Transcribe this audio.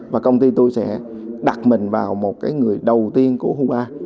và công ty tôi sẽ đặt mình vào một người đầu tiên của hua